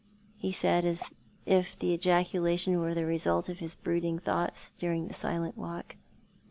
" he said, as if the ejacula tion were the result of his brooding thoughts during that silent ■walk.